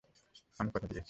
আমি কথা দিয়েছি।